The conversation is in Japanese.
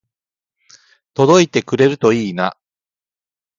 届いてくれるといいな